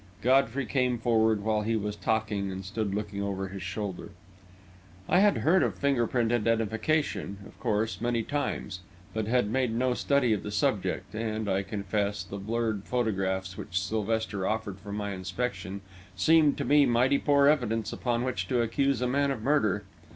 Godfrey came forward while he was talking and stood looking over his shoulder. I had heard of finger print identification, of course, many times, but had made no study of the subject, and, I confess, the blurred photographs which Sylvester offered for my inspection seemed to me mighty poor evidence upon which to accuse a man of murder.